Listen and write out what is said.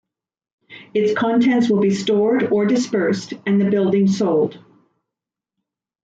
Its contents will be stored or dispersed and the building sold.